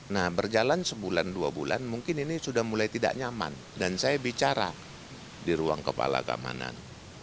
nah berjalan sebulan dua bulan mungkin ini sudah mulai tidak nyaman dan saya bicara di ruang kepala keamanan